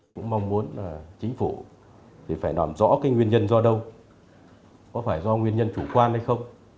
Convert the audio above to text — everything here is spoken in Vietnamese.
chúng tôi mong muốn chính phủ phải đoán rõ nguyên nhân do đâu có phải do nguyên nhân chủ quan hay không